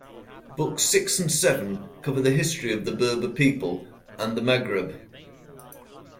Books six and seven cover the history of the Berber peoples and the Maghreb.